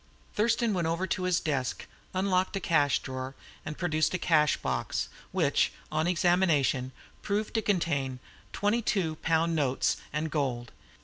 Thurston went over to his desk, unlocked a drawer, and produced a cashbox, which, on examination, proved to contain twenty two pound notes and gold.